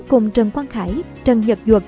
cùng trần quang khải trần nhật duật